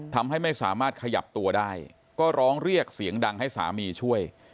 ทำให้ไม่สามารถขยับตัวได้ก็ร้องเรียกเสียงดังให้สามีช่วย